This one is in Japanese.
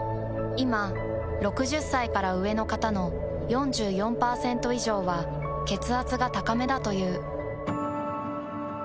いま６０歳から上の方の４４％以上は血圧が高めだという。